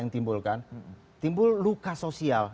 timbul luka sosial